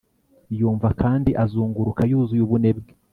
Yumva kandi azunguruka yuzuye ubunebwe